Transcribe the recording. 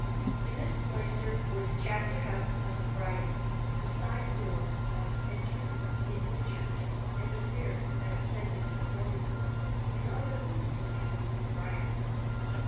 In this cloister were the chapter house of the friars, the side door of entrance into the church, and the stairs that ascended to the dormitory and other rooms for the use of the friars.